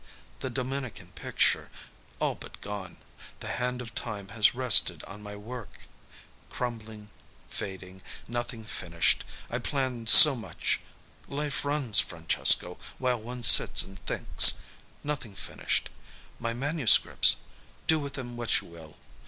The Dominican picture ... all but gone. The hand of time has rested on my work. Crumbling fading nothing finished. I planned so much. Life runs, Francesco, while one sits and thinks. Nothing finished. My manuscripts do with them what you will.